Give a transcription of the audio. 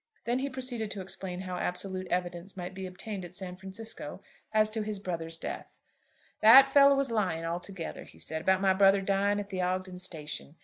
Then he proceeded to explain how absolute evidence might be obtained at San Francisco as to his brother's death. "That fellow was lying altogether," he said, "about my brother dying at the Ogden station.